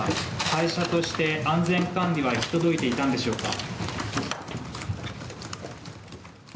会社として、安全管理は行き届いていたんでしょうか。